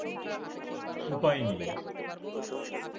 উপায় নেই।